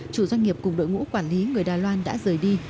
chủ doanh nghiệp cùng đội ngũ quản lý người đài loan đã rời đi